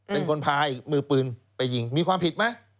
เป็นคนพามือปืนไปยิงมีความผิดไหม